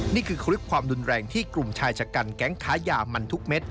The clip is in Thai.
นี่คือคลิปความรุนแรงที่กลุ่มชายชะกันแก๊งค้ายามันทุกเม็ด